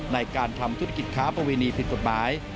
ในการทำธุรกิจค้าประเวณีผิดกฎหมาย